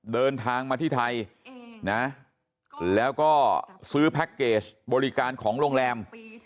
เดินทางมาที่ไทยนะแล้วก็ซื้อแพ็คเกจบริการของโรงแรม